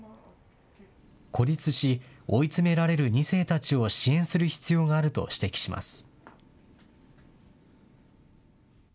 孤立し、追いつめられる２世たちを支援する必要があると指摘します。